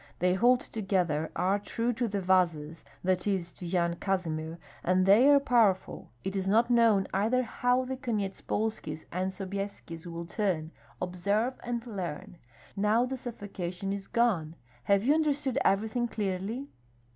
They hold together, are true to the Vazas (that is, to Yan Kazimir) and they are powerful It is not known either how the Konyetspolskis and Sobyeskis will turn Observe and learn Now the suffocation is gone. Have you understood everything clearly?"